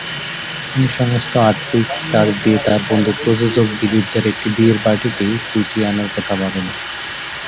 তিনি সমস্ত আর্থিক চার্জ দিয়ে তার বন্ধু প্রযোজক দিলীপ দা-র একটি বিয়ের পার্টিতে সুইটি আনার কথা ভাবেন।